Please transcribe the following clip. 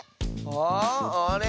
ああれ？